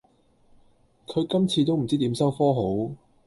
佢今次都唔知點收科好